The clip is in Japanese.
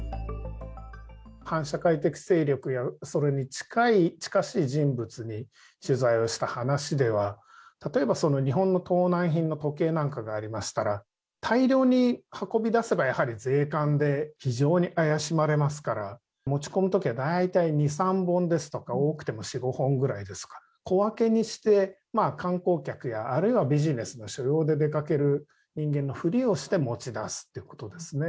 反社会的勢力や、それに近しい人物に取材をした話では、例えば日本の盗難品の時計なんかがありましたら、大量に運び出せば、やはり税関で非常に怪しまれますから、持ち込むときは大体２、３本ですとか、多くても４、５本ぐらいですか、小分けにして、観光客やあるいはビジネスの所用で出かける人間のふりをして持ち出すということですね。